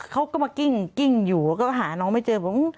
เขาก็มากิ้งอยู่ก็หาน้องไม่เจอ